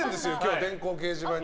電光掲示板に。